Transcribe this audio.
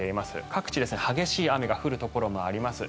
各地、激しい雨が降るところもあります。